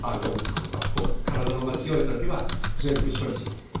体のほうが強い時は全部処理します。